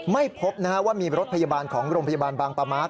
ไม่พบว่ามีรถพยาบาลของโรงพยาบาลบางประมาท